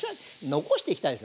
残していきたいね。